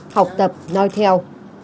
học tập nói theo